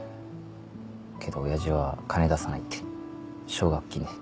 けど親父は金出さないって奨学金で。